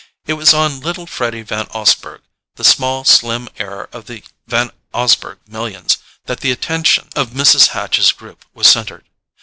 It was on little Freddy Van Osburgh, the small slim heir of the Van Osburgh millions, that the attention of Mrs. Hatch's group was centred.